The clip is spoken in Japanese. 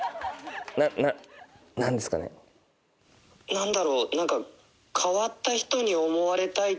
何だろう？